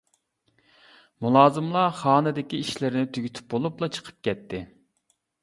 مۇلازىملار خانىدىكى ئىشلىرىنى تۈگىتىپ بولۇپلا چىقىپ كەتتى.